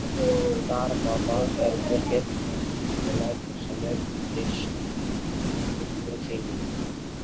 তার বাবা এ্যাডভোকেট মরহুম বেলায়েত হোসেনের জ্যেষ্ঠ পুত্র তিনি।